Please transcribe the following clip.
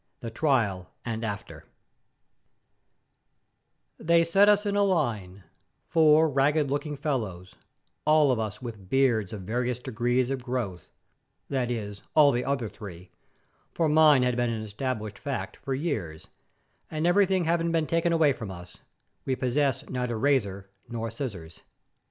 THE TRIAL AND AFTER They set us in a line, four ragged looking fellows, all of us with beards of various degrees of growth, that is, all the other three, for mine had been an established fact for years, and everything having been taken away from us, we possessed neither razor nor scissors.